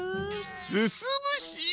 すすむし！